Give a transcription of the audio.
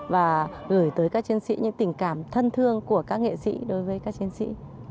và gửi tới các chiến sĩ những tình cảm thân thương của các nghệ sĩ đối với các chiến sĩ